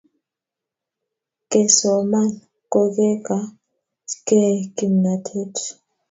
kesoman kokekachkei kimnatet